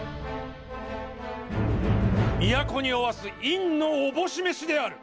都におわす院のおぼし召しである。